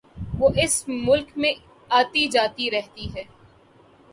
وہ اس ملک میں آتی جاتی رہتی ہے